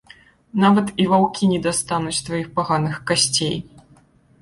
Нават і ваўкі не дастануць тваіх паганых касцей.